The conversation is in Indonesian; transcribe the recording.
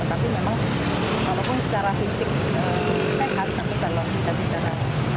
tapi memang walaupun secara fisik sehat tapi kalau kita bicara